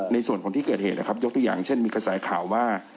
ในส่วนของที่เกิดเหตุนะครับยกตัวอย่างเช่นมีกระแสข่าวว่า